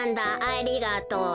ありがとう」。